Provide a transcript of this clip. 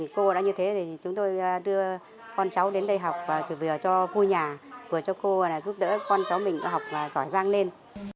cô đã như thế thì chúng tôi đưa con cháu đến đây học vừa cho vui nhà vừa cho cô giúp đỡ con cháu mình học và giỏi giang lên